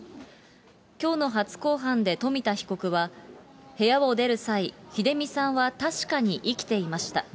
きょうの初公判で冨田被告は、部屋を出る際、英美さんは確かに生きていました。